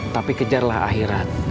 tapi kejarlah akhirat